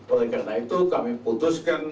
oleh karena itu kami putuskan